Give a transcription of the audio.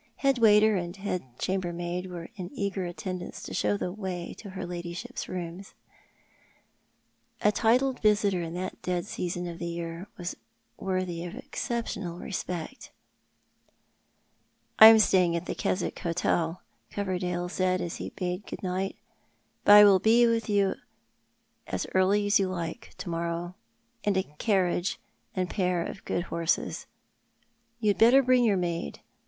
Head waiter and head chamber maid were in eager attendance to show the way to her ladyship's rooms. Death in Life. 291 A titled visitor in that deail season of the year was worthy of exceptional respect, " I am staying at the Keswick Hotel," Coverdale said, as he bade good night ;" but I will be with you as early as you like to morrow, with a carriage and a good pair of horses. You had better bring your maid.